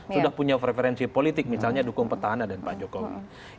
sudah punya preferensi politik misalnya dukung petahana dan pak jokowi